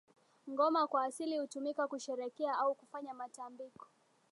Ngoma kwa asili hutumika kusherekea au kufanya matambiko